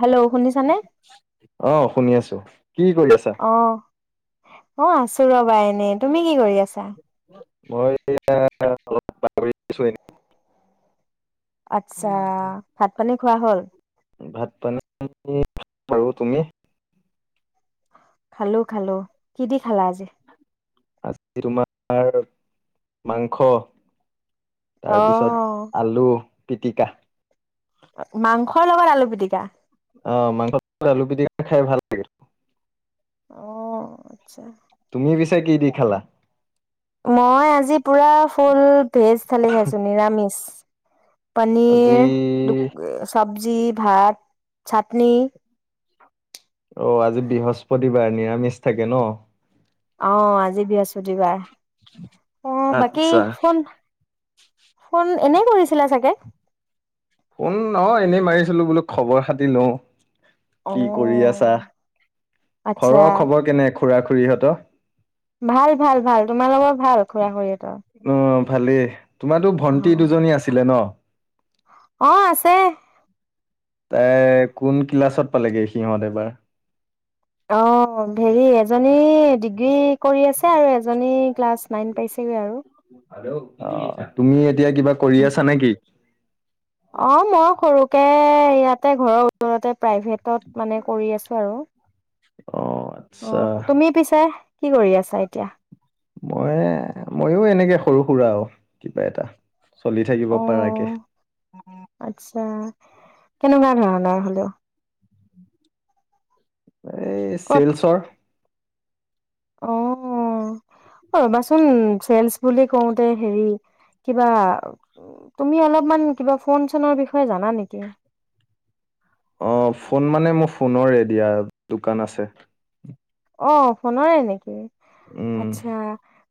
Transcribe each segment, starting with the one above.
Hello শুনিছানে? অহ, শুনি আছোঁ। কি কৰি আছা? অ', অ', আছোঁ ৰ'বা এনে, তুমি কি কৰি আছা? মই [inaudible] আচ্ছা ভাত পানী খোৱা হ'ল? ভাত বনাই [unintelligible] বাৰু তুমি। খালোঁ, খালোঁ, কি দি খালা আজি? আজি তোমাৰ মাংস তাৰপিছত আলু পিটিকা। মাংস সৰ লগত আলু পিটিকা। অ', মাংস আলু পিটিকা খাই ভাল লাগে। অ', আত্ছা। তুমি পিছে কি দি খালা? মই আজি পুৰা ফুল ভেজ থালি খাইছোঁ, নিৰামিষ। আজি পনীৰ চবজ চব্জি, ভাত, চাটনি। অ', আজি বৃহস্পতিবাৰ নিৰামিষ থাকে ন'। অ', আজি বৃহস্পতিবাৰ। অ', বাকী আচ্ছা ফোন ফোন এনে কৰিছিলা চাগে? ফোন নহয় এনেই মাৰিছিলো বোলো খবৰ খাতি লওঁ। কি কৰি আছা? অ', আচ্ছা ঘৰৰ খবৰ কেনে খুৰা খুৰীহঁত? ভাল, ভাল, ভাল তোমাৰ লগৰ ভাল খুৰা খুৰীহতঁ? টা অ ভালেই। তোমাটো ভণ্টি দুজনী আছিলে ন'? অ', আছে। তাই কোন ক্লাছত পালেগে সিহঁত এইবাৰ? অ', ধেৰি এজনী ডিগ্ৰী কৰি আছে আৰু এ এজনী ক্লাছ নাইন পাইছেগে আৰু। হেল্ল' অ', তুমি এতিয়া কিবা কৰি আছা নেকি? অ', মই সৰু এ, ইয়াতে ঘৰৰ ওচৰতে প্ৰাইভেটত মানে কৰি আছো আৰু। অ' আচ্ছা অ', তুমি পিছে? কি কৰি আছা এতিয়া? মই, ময়ো এনেকে সৰু-সুৰা আৰু কিবা এটাহ। চলি থাকিব অ পাৰাকে। আচ্ছা কেনেকুৱা ধৰণৰ হ'লেও? এই ক'ত চেলচৰ। অ', অ, ৰ'বাচোন চেলচ বুলি কওঁতে হেৰি কিবা তুমি অলপমান কিবা ফোন চোনৰ বিষয়ে জানা নেকি? অ', ফোন মানে মোৰ ফোনৰে দিয়া দোকান আছে। অ', ফোনৰে নেকি? উম আচ্ছা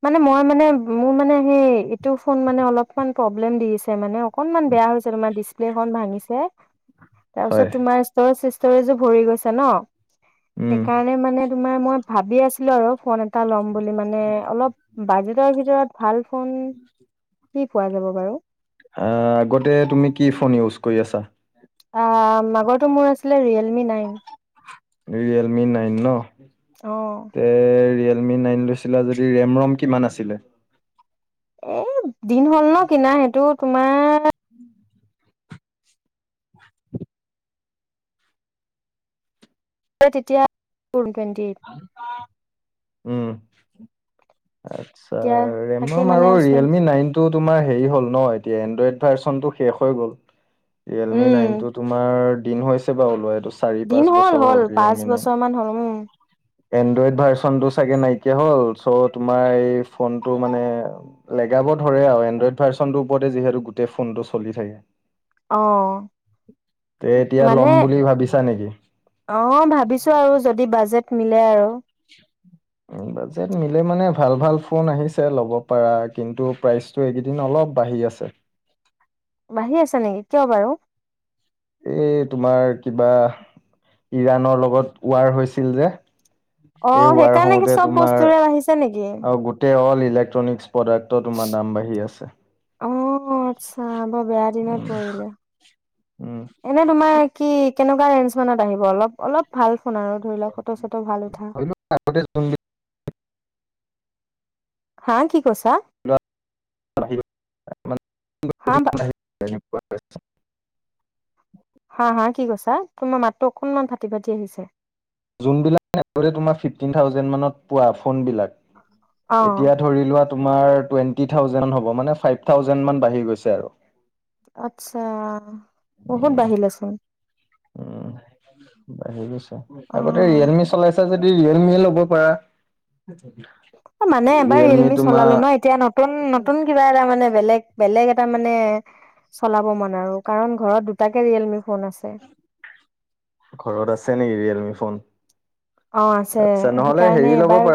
মানে মই মানে মোৰ মানে সেই ইটো ফোন মানে অলপমান প্ৰব্লেম দিছে মানে, অকনমান বেয়া হৈছে। তোমাৰ ডিচপ্লে খন ভাঙিছে। তাৰপিছত হয় তোমাৰ ষ্টৰেজ চিচ ষ্টৰেজো ভৰি গৈছে ন'? উম। সেইকাৰণে মানে তোমাৰ মই ভাবি আছিলোঁ আৰু ফোন এটা লম বুলি মানে অলপ বাজেটৰ ভিতৰত ভাল। ফোন কি পোৱা যাব বাৰু? আ, আগতে তুমি কি ফোন ইউছ কৰি আছা? অ', মাগৰটো মোৰ আছিলে realme nine nine. Realme nine nine নহ? অ', তে ৰিয়েল মি নাইন লৈছিলা যদি ৰেম ৰম কিমান আছিলে? এ দিন হ'ল ন কিনা সেইটো তোমাৰ তেতিয়া কোন [unintelligible] উম। আচ্ছা তাকে ৰেমম মানে আৰু চেঞ্জ ৰিয়েলমি নাইন টো তোমাৰ হেৰি হ'ল ন এতিয়া এনড্ৰইড ভাৰ্চনটো শেষ হৈ গ'ল। ৰিয়েলমি উম, নাইনটো তোমাৰ দিন হৈছে বাৰু ওলোৱা এইটো চাৰি দিন পাঁচ হ'ল বছৰ হ'ল পাঁচ বছৰ মান হ'ল উম। এনড্ৰইড ভাৰ্চনটো চাগে নাইকিয়া হ'ল চ' তোমাৰ এই ফোনটো মানে [unintelligible] ধৰে আৰু এনড্ৰইড ভাৰ্চনটো ওপৰতে ফোনটো চলি থাকে। অ', তে এতিয়া ল'ম মানে বুলি ভাবিছা নেকি? অ', ভাবিছোঁ আৰু যদি বাজেট মিলে আৰু। উ বাজেট মিলে মানে ভাল-ভাল ফোন আহিছে। ল'ব পাৰা কিন্তু প্ৰাইচটো এইকেইদিন অলপ বাঢ়ি আছে। বাঢ়ি আছে নেকি কিয় বাৰু? এই তোমাৰ কিবা ইৰাণৰ লগত ওৱাৰ হৈছিল যে। অ', ৱাৰ সেইকাৰণে কি হওঁতে চব তোমাৰ বস্তুৰে বাঢ়িছে নেকি? ইলেক্ট্ৰনিক্ছ প্ৰডাক্টত তোমাৰ দাম বাঢ়ি আছে। অ', আতচ্ছা বৰ বেয়া দিনত উম পৰিলে উম এনে তোমাৰ কি? কেনেকোৱা ৰেঞ্জ মানত আহিব? অলপ, অলপ ভাল, শুনাৰো ধৰি লওঁক ফটো চটো ভাল উঠা। আগতে হা কি? কৈছা হা [unintelligible] হা হা কি কৈছা? তোমাৰ মাতো অকনমান ফাটি ফাটি আহিছে। যোনবিলাকৰে তোমাৰ ফিফটিন থাউজেণ্ মানত পোৱা ফোনবিলাক এতিয়া অ', ধৰি লোৱা তোমাৰ টুৱেন্টি থাউজেণ্ড হ'ব মানে ফাইভ থাউজেণ্ড মান বাঢ়ি গৈছে আৰু। আতছা বহুত উম বাঢ়িলেচোন। উম, [unintelligible] আগতে অ'। ৰিয়েলমি চলাইছে যদি মি ৰিয়েলমিয়ে ল'ব পাৰা। অ', মানে এবাৰ ৰিয়েলমি চলালো ন এতিয়া নতুন, নতুন কিবা এটা মানে বেলেগ বেলেগ এটা মানে চলাব মন আৰু কাৰণ ঘৰত দুটাকে ৰিয়েলমি ফোন আছে। ঘৰত আছে নেকি ৰিয়েলমি ফোন? অ', আছে আচ্ছা নহ'লে সেইকাৰণে হেৰি ল'ব এবাৰ।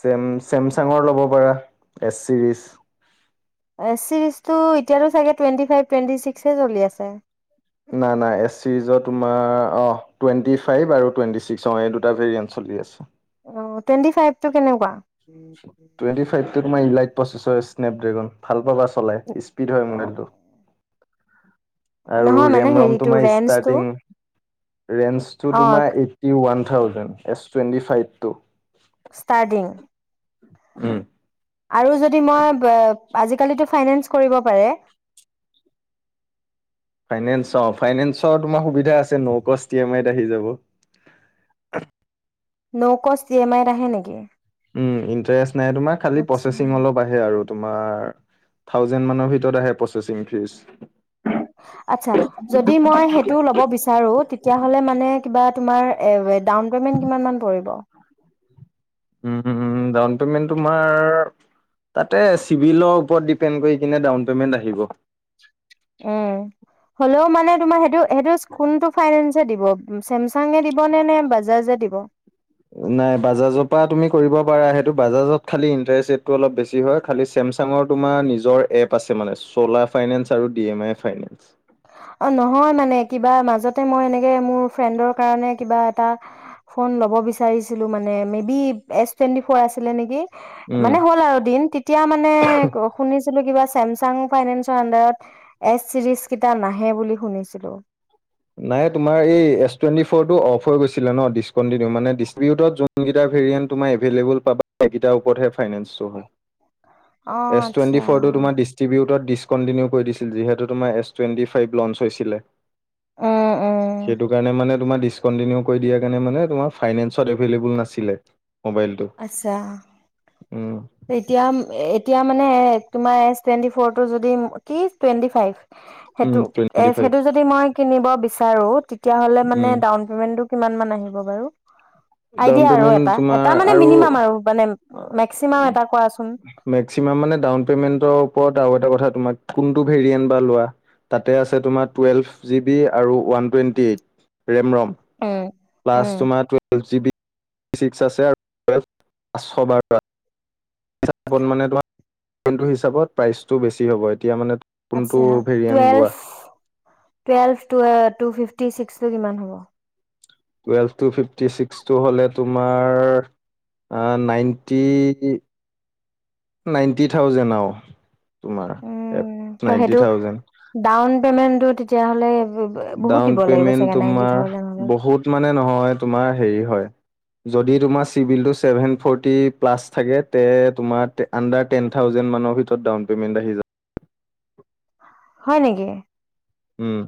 ছেম ছেমচাঙৰ ল'ব পাৰা এছ চিৰিজ এছ চিৰিজটো এতিয়াটো চাগে টুৱেণ্টি ফাইভ টুৱেণ্টি ছিক্সে চলি আছে। না না এছ চিজৰ তোমাৰ অ', টুৱেণ্টি ফাইভ আৰু টুৱেটি চিক্স অ', এই দুটা ভেৰিয়েণ্ট চলি আছে। অ', টুৱেণ্টি ফাইভটো কেনেকুৱা? টুৱেণ্টি ফাইভ তোমাৰ in like processor snap dragon ভাল পাবা চলাই স্পীড হয়, মোবাইলটো। আৰু নহয় মানে ৰেমৰম হেৰিটো তোমাৰ ৰেঞ্জটো ষ্টাৰটিং ৰেনচটো অ তোমাৰ eighty one thousand S twenty ফাইভটো। ষ্টাৰ্টিং? উম। আৰু যদি মই ব আজি কালিটো ফাইনেন্স কৰিব পাৰে। ফাইনেন্স অ', ফাইনেন্সৰ তোমাৰ সুবিধা আছে নৌ কষ্ঠ ই এম আইত আহি যাব। নৌ কষ্ঠ ই এম আইট আহে নেকি? উম ইণ্টাৰেষ্ট নাই তোমাৰ খালি আচ্ছা প্ৰচেচিং অলপ আহে আৰু। তোমাৰ থাউজেণ্ড মানৰ ভিতৰত আহে প্ৰচেচিং ফ্ৰিজ। আচ্ছা যদি মই সেইটো ল'ব বিচাৰো তে তেতিয়া হ'লে মানে, কিবা তোমাৰ ডাউন পেমেন্ট কিমান মান পৰিব? হো হো হো হো ডাউন পেমেন্ট তোমাৰ, তাতে চিভিলৰ ওপৰত ডিপেন্ট কৰি কেনে ডাউন পেমেন্ট আহিব। উম, হ'লেও মানে তোমাৰ সেইটো সেইটো কোনটো ফাইনেন দিব চেমচাঙে দিব নে নে বাজাজে দিব? নাই বাজাজৰ পৰা তুমি কৰিব পাৰা সেইতো বাজাজত খালি ইন্টাৰেষ্ট ৰেটটো অলপ বেছি হয়। খালি চেমচাংৰ তোমাৰ নিজৰ এপ আছে মানে, চৌলাফাইনেন্স আৰু ডিএমাইফাইনেন্স। অ', নহয় মানে কিবা মাজতে মই এনেকে মোৰ ফ্ৰেণ্ডৰ কাৰণে কিবা এটা ফোন ল'ব বিচাৰিছিলো মানে, maybe S twenty four আছিলে নেকি। উম, মানে হ'ল আৰু দিন তেতিয়া মানে ক শুনিছিলোঁ কিবা ছেমছাং ফাইনেন্সৰ আণ্ডাৰত এছ চিৰিছ কিটা নাহে বুলি শুনিছিলো নাই তোমাৰ এই এছ টুয়েন্টি ফৰটো অফ হৈ গৈছিলে ন' ডিচকন্টিনিউ মানে দিষ্ট্ৰিবিউটৰত যোনকেইটা ভেৰিয়েণ্ট এভেইলেভেল পাবা সেইকেইটাৰ ওপৰত হে ফাইনেন্স ও অ' হয় এছ টুয়েন্টি ফৰটো আচ্ছা। তোমাৰ দিষ্ট্ৰিবিউটৰত দিছ কন্টিনিউ কৰি দিছিলে যিহেতু তোমাৰ এছ টুয়েন্টি ফাইভ লঞ্চ হৈছিলে উম উম সেইটো কাৰণে মানে তোমাৰ ডিচকণ্টিনিউ কৰি দিয়াৰ কাৰণে মানে তোমাৰ ফাইনেন্সত এভেইলেভেল নাছিলে মোবাইলটো আচ্ছা উম এতিয়া এতিয়া মানে তোমাৰ এছ টুয়েন্টি ফ'ৰটো যদি কি টুয়েণ্টি ফাইভ। উম সেইটো এ টুৱেন্টি ফাইভ সেইটো যদি মই কিনিব বিচাৰো, তেতিয়া হ'লে মানে উম ডাউন পেমেন্টটো কিমান মান আহিব বাৰু? ডাউন আইডিয়া আৰু পেমেন্ট এটা তোমাৰ এটা মানে মিনিমাম আৰু মানে, মেক্সিমাম এটা কোৱাচোন মেক্সিমাম মানে ডাউন পেমেন্টৰ ওপৰত আৰু এটা কথা তোমাৰ কোনটো ভেৰিয়েণ্ট বা লোৱা, তাতে আছে তোমাৰ টুয়েলভ জিবি আৰু one twenty eight RAM ROM. উম প্লাছ উম তোমাৰ টুৱেল্ভ জি বি ছিক্স আছে আৰু টুৱেল্ভ পাঁচশ বাৰ। হিচাপত মানে তোমাৰ টো হিচাপত প্ৰাইচটো বেছি হ'ব, এতিয়া মানে কোনটো আতচ্ছা ভেৰিয়েণ্ট লোৱা টুৱেলভ, টুৱেলভ টুৱে টু ফিফটি ছিক্সটো কিমান হ'ব? টুৱেলভ টু ফিফটি ছিক্স হ'লে, তোমাৰ নাইনটি নাইনটি থাউজেণ্ড আৰু। তোমাৰ এ উম নাইনটি থাউজেণ্ড। টো তেতিয়াহ'লে বহুত ডাউন দিব লাগিব পেমেন্ট চাগে নাইনটি তোমাৰ থাউজেণ্ড হ'লে বহুত মানে নহয়, তোমাৰ হেৰি হয় যদি তোমাৰ চিবিলটো চেভেন ফৰ্টি প্লাছ থাকে তে তোমাৰ আণ্ডাৰ টেন থাউজণ্ড মানৰ ভিতৰত ডাউন পেমেণ্ট আহি যাব হয় নেকি? উম।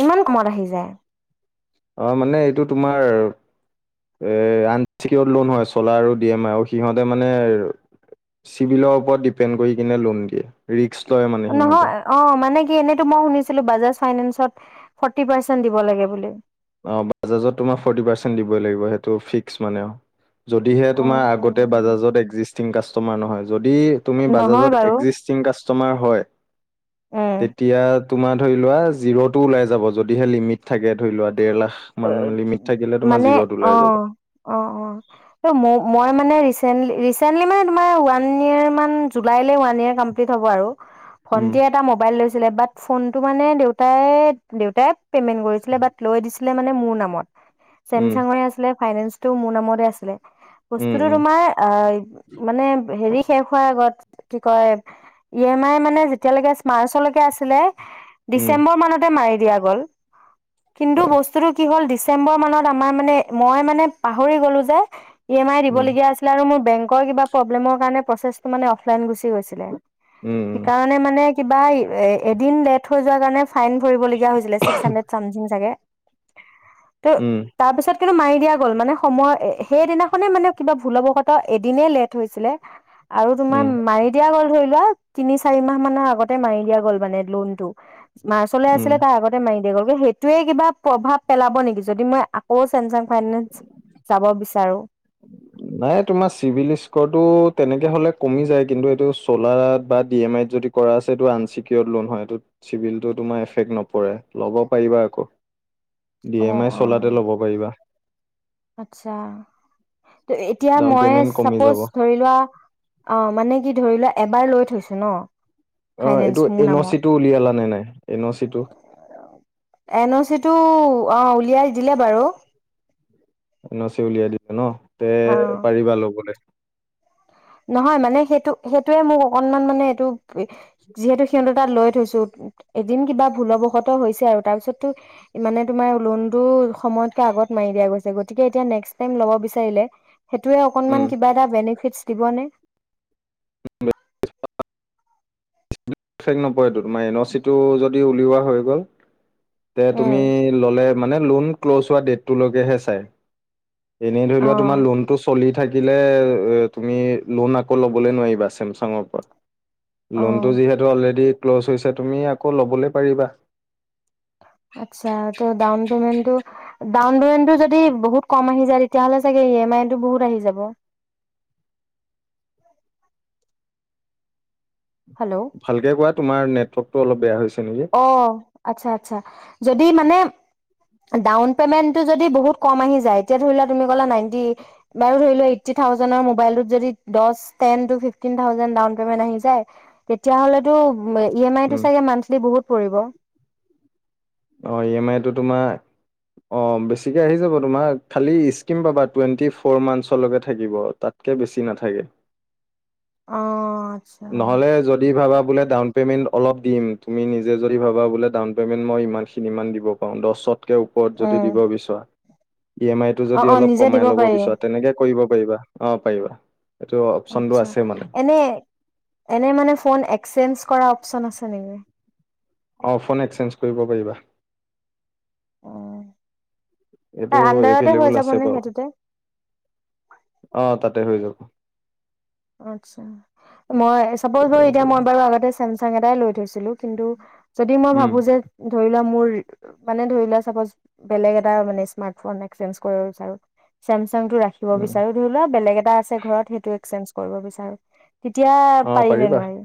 ইমান কমত আহি যায় অ', মানে এইটো তোমাৰ এ আনচিকিউৰ্ড লোন হয়, চলা আৰু ডি এমই সিহঁতে মানে চিভিলৰ ওপৰত ডিপেন্ড কৰি কিনে লোন দিয়ে ৰিক্স নহয়, অ', মানে কি এনেইতো মই শুনিছিলো বাজাজ ফাইনেন্সত ফৰ্টি পাৰচেন্ট দিব লাগে বুলি। অ', বাজাজত তোমাৰ ফৰ্টি পাৰ্চেণ্ট দিবই লাগিব সেইটো ফিক্স মানে আউ। যদিহে তোমাৰ আগতে বাজাজত একজিষ্ট কাষ্টমাৰ নহয় য'ত যদি তুমি নহয় বাজাজত বাৰু একজিষ্টিং কাষ্টমাৰ হয়, উম তেতিয়া তোমাৰ ধৰি লোৱা জিৰ'টো ওলাই যাব যদিহে লিমিট থাকে ধৰি লোৱা। ডেৰলাখ অ', মানে যাব অ', অ', অ', ম মই মানে ৰিচেন্টলি, ৰিচেন্টলি মানে তোমাৰ ওৱান ইয়েৰ মান জুলাইলৈ ওৱান ইয়েৰ কমপ্লিট হ'ব আৰু। উম ভন্টিয়ে এটা ম'বাইল লৈছে ছিলে বাত ফোনটো মানে দেউতাই, দেউতাই পেমেন্ট কৰিছিলে বাত লৈ দিছিলে। লে মানে মোৰ নামত। উম ছেমচাঙৰে আছিলে। ফাইনেন্স টো মোৰ নামতে আছিলে। উম বস্তুটো উম তোমাৰ আ, মানে হেৰি শেষ হোৱাৰ আগত কি কয় ই এম আই মানে যেতিয়ালৈকে মাৰ্চ লৈকে আছিলে উম ডিচেম্বৰ মানতে মাৰি দিয়া গ'ল। কিন্তু হয় বস্তু কি হ'ল ডিচেম্বৰ মানত আমাৰ মানে মই মানে পাহৰি গ'লো যে ই এম আই উম দিবলগীয়া আছিলে আৰু মোৰ বেংকৰ কিবা প্ৰব্লেমৰ কাৰণে প্ৰচেছটো মানে অফলাইন গুচি গৈছিলে, উম উম সেইকাৰণে মানে কিবা এদিন লেট হৈ যোৱাৰ কাৰণে ফাইন ভৰিবলগীয়া হৈছিলে ছিস্ক হানড্ৰেদ ছামথিং চাগে। ত' উম তাৰপিছত কিন্তু মাৰি দিয়া গ'ল, মানে সময় সেইদিনাখনে মানে কিবা ভুলবশতঃ এদিনে লেট হৈছিলে। আৰু তোমাৰ উম মাৰি দিয়া গ'ল ধৰি লোৱা তিনি চাৰি মাহ মানৰ আগতে মাৰি দিয়া গ'ল মানে লোনটো। মাৰ্চ লৈ উম আছিলে তাৰ আগতে মাৰি [unintelligible] সেইটোৱে কিবা প্ৰভাৱ পেলাব নেকি যদি মই আকৌ ছেমচাং ফাইনেন্স যাব বিচাৰো? নাই তোমাৰ চিভিল স্ক'ৰটো তেনেকে হ'লে কমি যায় কিন্তু এইটো চ'লাত বা ডি এম আইত যদি কৰা আছে এইটো আনচিকিয়ড লোন হয় এইটো চিভিলটো তোমাৰ এফেক্ট নপৰে ল'ব পাৰিবা আকৌ। ডি অ এম আই, অ চলাতে ল'ব পাৰিবা। আচ্ছা। ত' এতিয়া ডাউন মই পেমেন্ট কমি চাপ'জ যাব ধৰি লোৱা অ', মানে কি ধৰি লোৱা এবাৰ লৈ থৈছো ন' অ' ফাইনেন্স এইটো মোৰ এন অ' নামত চিটো উলিয়ালা নে নাই? এন অ'চি টো। এন অ' চিটো অ', উলিয়াই দিলে বাৰু। এন অ' চি উলিয়াই দিব ন'। তে অ পাৰিবা ল'বলৈ নহয়, মানে সেইটো সেইটোৱেই মোক অকণমান মানে এইটো যিহেতু সিহঁতৰ তাত লৈ থৈছোঁ। এদিন কিবা ভুলবশত হৈছে, আৰু তাৰ পিছটো মানে মোৰ লোনটো সময়তকৈ আগত মাৰি দিয়া গৈছে। গতিকে এতিয়া নেক্সট টাইম ল'ব বিচাৰিলে সেইটোয়ে অকনমান উম কিবা এটা বেনিফিটচ দিবনে? [unintelligible] ইফেক্ট নপৰেটো। তোমাৰ এন, অ, চি টো যত যদি উলিওৱা হৈ গ'ল তে তুমি উম ল'লে মানে লোন ক্ল'জ হোৱা ডেটটোলৈকে হে চাই। এনেই ধৰি অ লোৱা, তোমাৰ লোনতটো চলি থাকিলে তুমি লোন আকৌ ল'বলৈ নোৱাৰিবা চেমচাঙৰ পৰা। লোনটো অ'। যিহেতু অলৰেডি ক্ল'জ হৈছে তুমি আকৌ ল'বলৈ পাৰিবা। আতচ্ছা, ত' ডাউন পেমেণ্টটো ডাউনপেমেণ্টটো যদি বহুত কম আহি যায়, তেতিয়া হ'লে চাগে ই এম আই টো বহুত আহি যাব। হেল্ল' ভালকে কোৱা তোমাৰ নেটৱৰ্ক অলপ বেয়া হৈছ অ', আতচ্ছা আতচ্ছা। যদি মানে ডাউন পেমেণ্টটো যদি বহুত কম আহি যায়, এতিয়া ধৰি লোৱা তুমি ক'লা নাইনটি বাৰু, ধৰি লোৱা এইট্টি থাউজেণ্ডৰ মোবাইলটোত যদি দচ ten two fifteen thousand down payment আহি যায়, তেতিয়া হ'লেতো উ, ই এম আই টো উম, চাগে মানথ বুহুত পৰিব। অ', ই এম আইটো তোমাৰ অ', বেছিকে আহি যাব, তোমাৰ খালি স্কিম পাবা টুৱেণ্টি ফ'ৰ মান্থছলৈকে থাকিব, তাতকৈ বেছি নাথাকে। অ'। আচ্ছা নহলে যদি ভাবা বোলে ডাউন পে'মেণ্ট অলপ দিম। তুমি নিজে যদি ভাবা, বোলে ডাউন পে'মেণ্ট মই ইমানখিনিমান দিব পাৰোঁ, দছত তকে ওপৰত যদি উম দিব বিচৰা। ই এম আইটো অ যদি অ অলপ নিজে কমাই দিব ল'ব পাৰি বিচৰা, তেনেকে কৰিব পাৰিবা অ', পাৰিবা। এইটো অপচনটো আচ্ছা আছে মানে। এনে এনে মানে ফোন এক্সেঞ্জ কৰা অপশচন আছে নেকি? অ', ফোন এক্সেঞ্জ কৰিব পাৰিবা। অ এইটো তাৰ আণ্ডাৰতে হৈ এভেইলেবল আছে যাবনে বাৰু। সেইটোতে অ', তাতে হৈ যাব। অ', আত্ছা মই চাপজ ধৰ এতিয়া মই বাৰু আগতে চেমচাং এটাই লৈ থৈছিলো। কিন্তু যদি মই উম ভাবো যে, ধৰি লোৱা মোৰ। মানে ধৰি লোৱা, চাপজ বেলেগ এটা মানে স্মাৰ্ট ফোন এক্সচেঞ্জ আৰু চামচ সাংটো ৰাখিব উম বিচাৰো। ধৰিলুৱা বেলেগ এটা আছে ঘৰত সেইটো এক্সচেঞ্জ কৰিব বিচাৰো। এতিয়া অ পাৰি নে পাৰিবা নোৱাৰি?